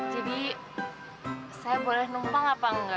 jadi saya boleh numpang apa enggak